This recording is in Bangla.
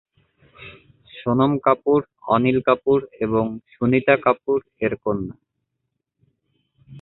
সোনম কাপুর অনিল কাপুর এবং সুনিতা কাপুর এর কন্যা।